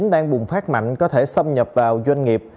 đang bùng phát mạnh có thể xâm nhập vào doanh nghiệp